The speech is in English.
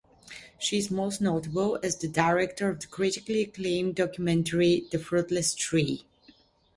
She is most notable as the director of critically acclaimed documentary "The Fruitless Tree".